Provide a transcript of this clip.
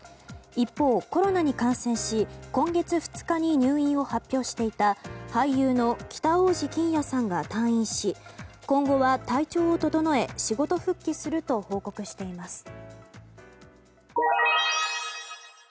一方、コロナに感染し今月２日に入院を発表していた俳優の北大路欣也さんが退院し今後は体調を整え仕事復帰すると報告しています。